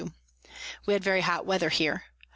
We had very hot Weather here.